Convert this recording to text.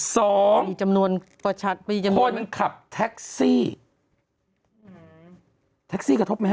สองคนขับแท็กซี่แท็กซี่กระทบไหมฮะ